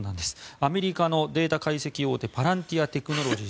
アメリカのデータ解析大手パランティア・テクノロジーズ